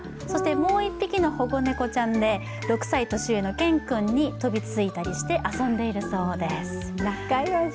そしてもう１匹の保護猫ちゃんで６歳年上のケン君に飛びついたりして遊んでいるそうです。